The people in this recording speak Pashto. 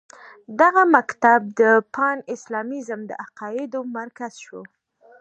دغه مکتب د پان اسلامیزم د عقایدو مرکز شو.